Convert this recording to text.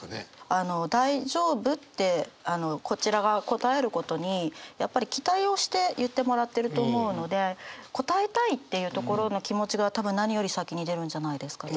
あの大丈夫ってこちらが応えることにやっぱり期待をして言ってもらってると思うので応えたいっていうところの気持ちが多分何より先に出るんじゃないですかね。